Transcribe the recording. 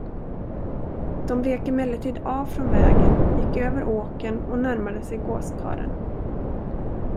De vek emellertid av från vägen, gick över åkern och närmade sig gåskarlen.